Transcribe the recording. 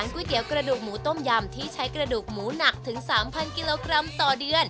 ก๋วยเตี๋ยวกระดูกหมูต้มยำที่ใช้กระดูกหมูหนักถึง๓๐๐กิโลกรัมต่อเดือน